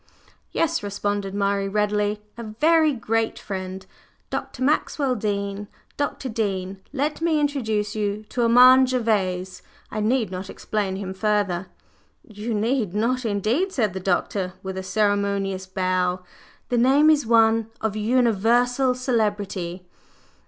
"Yes," responded Murray readily; "a very great friend Dr. Maxwell Dean. Dr. Dean, let me introduce to you Armand Gervase; I need not explain him further!" "You need not, indeed!" said the doctor, with a ceremonious bow. "The name is one of universal celebrity."